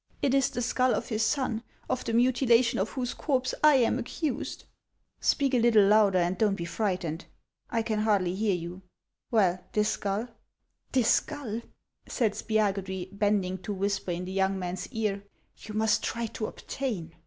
It is the skull of his son, of the mutilation of whose corpse I am accused." HANS OF ICELAND. 237 " Speak a little louder, and don't be frightened ; I can hardly hear you. Well, this skull ?"" This skull," said Spiagudry, bending to whisper in the young man's ear, " you must try to obtain.